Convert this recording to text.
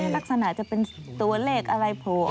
ลักษณะจะเป็นตัวเล็กอะไรโผล่ออกมานะ